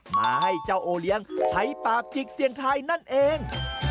มาให้เจ้าโอเลี้ยงใช้ปากจิกเสียงทายนั่นเอง